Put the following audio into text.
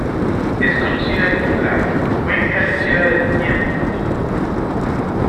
Es conocida como la "Cuenca Lechera del Ñeembucú.